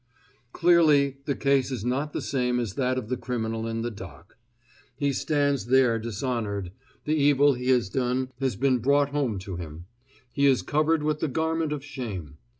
Clearly the case is not the same as that of the criminal in the dock. He stands there dishonored; the evil he has done has been brought home to him; he is covered with the garment of shame.